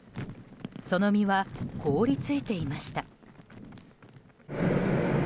その実は凍り付いていました。